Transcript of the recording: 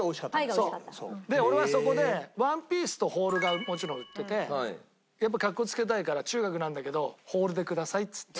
俺はそこで１ピースとホールがもちろん売っててやっぱかっこつけたいから中学なんだけど「ホールでください」って言って。